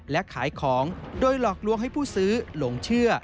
และขายของโดยหลอกลวงให้ผู้ซื้อหลงเชื่อ